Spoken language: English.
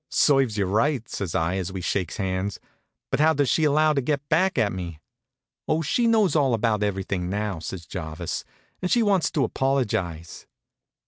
"Serves you right," says I, as we shakes hands. "But how does she allow to get back at me?" "Oh, she knows all about everything now," says Jarvis, "and she wants to apologize."